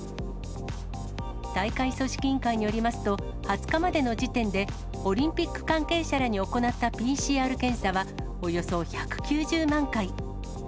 大会組織委員会によりますと、２０日までの時点で、オリンピック関係者らに行ったＰＣＲ検査はおよそ１９０万回。